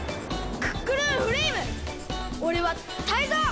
クックルンフレイムおれはタイゾウ！